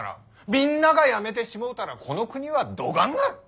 みんなが辞めてしもうたらこの国はどがんなる？